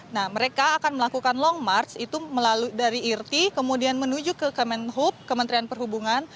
nah mereka akan melakukan long march itu melalui dari irti kemudian menuju ke kemenhub kementerian perhubungan